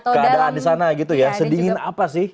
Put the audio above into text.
keadaan disana gitu ya sedingin apa sih